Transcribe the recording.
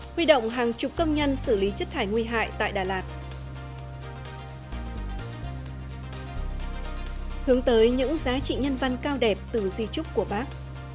hướng tới những giá trị nhân văn cao đẹp từ di trúc của bác